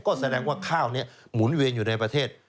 ก็แสดงว่าข้าวนี้หมุนเวียนอยู่ในประเทศ